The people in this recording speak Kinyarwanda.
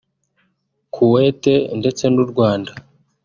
Kuwait ndetse n’u Rwanda